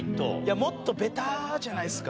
もっとベタじゃないですか？